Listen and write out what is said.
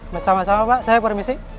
mas sama sama pak saya permisi